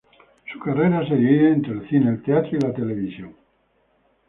Su carrera se divide entre el cine, el teatro y la televisión.